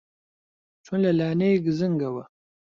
چۆن لە لانەی گزنگەوە